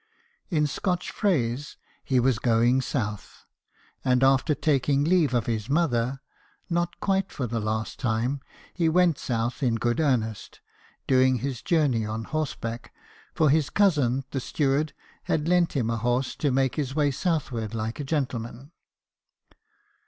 In Scotch phrase, he was going south. And after taking leave of his mother (not quite for the last time) he went south in good earnest, doing this journey on horseback ; for his cousin the steward had lent him a horse to make his way southward like a gentleman.